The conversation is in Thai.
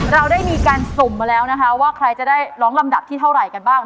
เราได้มีการสุ่มมาแล้วนะคะว่าใครจะได้ร้องลำดับที่เท่าไหร่กันบ้าง